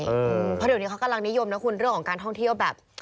เพราะเดี๋ยวนี้เขากำลังนิยมนะคุณเรื่องของการท่องเที่ยวแบบ